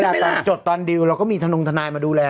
แล้วเวลาจดตอนดีวเราก็มีทนุงธนายมาดูแล